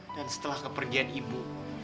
dan setelah kepergian ibu